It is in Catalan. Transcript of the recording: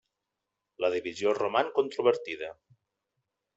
La divisió roman controvertida.